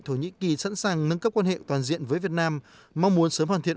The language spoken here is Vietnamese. thổ nhĩ kỳ sẵn sàng nâng cấp quan hệ toàn diện với việt nam mong muốn sớm hoàn thiện